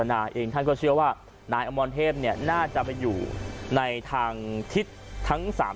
นาเองท่านก็เชื่อว่านายอมรเทพเนี่ยน่าจะไปอยู่ในทางทิศทั้ง๓คน